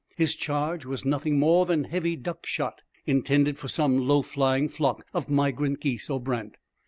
His charge was nothing more than heavy duck shot, intended for some low flying flock of migrant geese or brant.